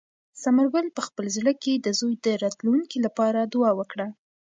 ثمر ګل په خپل زړه کې د زوی د راتلونکي لپاره دعا وکړه.